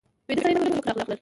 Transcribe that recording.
ویده سړی نه پوهېږي څوک راغلل